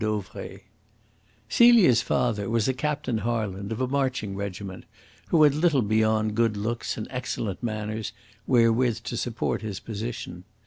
Dauvray. Celia's father was a Captain Harland, of a marching regiment, who had little beyond good looks and excellent manners wherewith to support his position.